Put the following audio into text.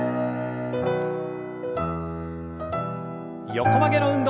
横曲げの運動。